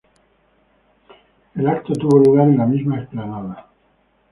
El evento tuvo lugar en la misma explanada.